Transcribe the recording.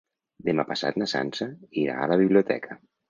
Demà passat na Sança irà a la biblioteca.